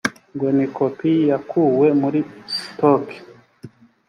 ngonikopi yakuwe muri sitoke.